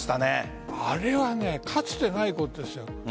あれは、かつてないことですよ。